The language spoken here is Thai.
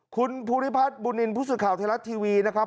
คุณภูริพัฒน์บุญนินพุศุข่าวเทลาทีวีนะครับ